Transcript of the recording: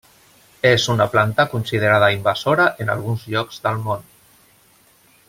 És una planta considerada invasora en alguns llocs del món.